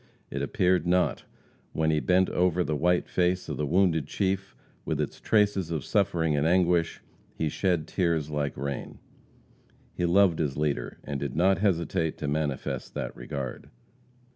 It appeared not, when he bent over the white face of the wounded chief with its traces of suffering and anguish. He shed tears like rain. He loved his leader, and did not hesitate to manifest that regard.